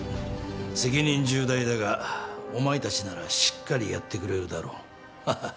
責任重大だがお前たちならしっかりやってくれるだろう。ハハハ。